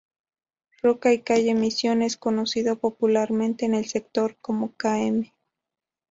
Roca y calle Misiones, conocido popularmente en el sector como "km.